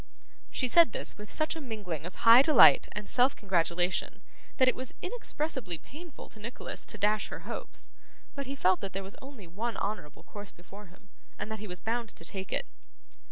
She said this with such a mingling of high delight and self congratulation, that it was inexpressibly painful to Nicholas to dash her hopes; but he felt that there was only one honourable course before him, and that he was bound to take it.